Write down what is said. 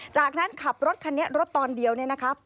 จากนั้นขับรถคันนี้รถตอนเดียวเนี่ยนะครับ